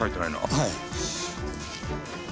はい。